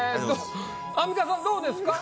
アンミカさんどうですか？